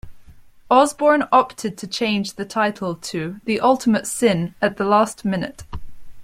Osbourne opted to change the title to "The Ultimate Sin" at the last minute.